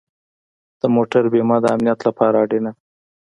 د موټر بیمه د امنیت لپاره اړینه ده.